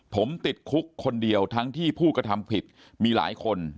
ผมติดคุกคนเดียวทั้งที่ผู้กระทำผิดมีหลายคน